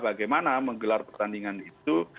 bagaimana menggelar pertandingan itu